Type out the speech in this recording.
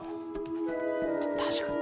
確かに。